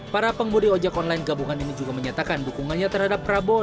para pengemudi ojek online gabungan ini juga menyatakan dukungannya terhadap prabowo